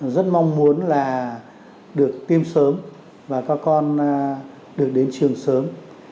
rất mong muốn là được tiêm sớm và các con được đến trường sớm